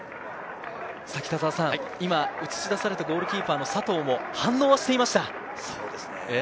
今、映し出されたゴールキーパーの佐藤も反応はしていました。